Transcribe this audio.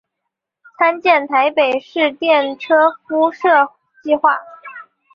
参见台北市电车敷设计画。